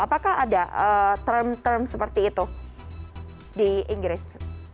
apakah ada term term seperti itu di inggris